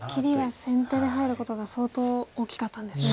切りが先手で入ることが相当大きかったんですね。